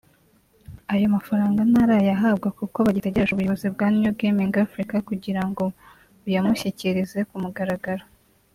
Ayo mafaranga ntarayahabwa kuko bagitegereje ubuyobozi bwa New Gaming Africa kugira ngo buyamushyikirize ku mugaragaro